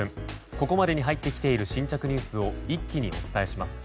ここまで入ってきている新着ニュースを一気にお伝えします。